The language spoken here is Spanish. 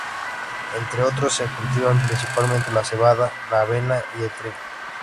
Entre otros se cultivan principalmente la cebada, la avena y el trigo.